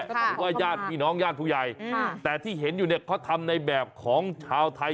หรือว่าญาติพี่น้องญาติผู้ใหญ่แต่ที่เห็นอยู่เนี่ยเขาทำในแบบของชาวไทย